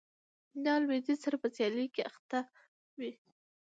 دا له لوېدیځ سره په سیالۍ کې اخته و